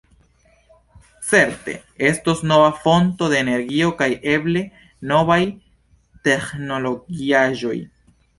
Certe estos nova fonto de energio kaj eble novaj teĥnologiaĵoj.